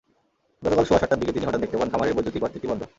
গতকাল সোয়া সাতটার দিকে তিনি হঠাৎ দেখতে পান, খামারের বৈদ্যুতিক বাতিটি বন্ধ।